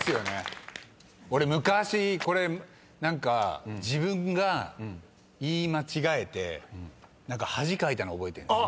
俺昔これ何か自分が言い間違えて恥かいたの覚えてるんです。